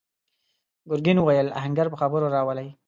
ګرګين وويل: آهنګر په خبرو راولئ!